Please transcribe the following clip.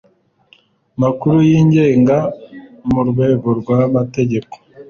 makuru yigenga mu rwego rw amategeko